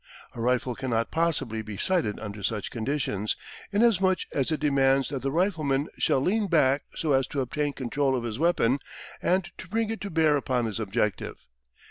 A rifle cannot possibly be sighted under such conditions, inasmuch as it demands that the rifleman shall lean back so as to obtain control of his weapon and to bring it to bear upon his objective.